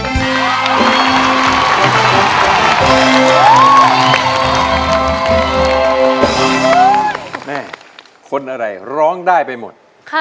แม่คนอะไรร้องได้ไปหมด